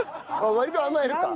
割と甘えるか。